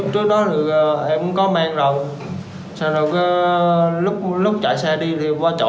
trước đó thì em không có mang đâu sau đó lúc chạy xe đi thì qua chỗ